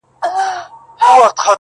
د هغه نثر له نورو څخه بېل رنګ لري تل